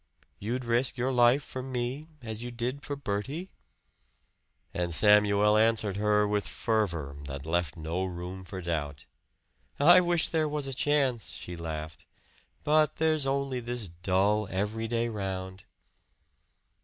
"You'd risk your life for me, as you did for Bertie?" And Samuel answered her with fervor that left no room for doubt. "I wish there was a chance," she laughed. "But there's only this dull every day round!"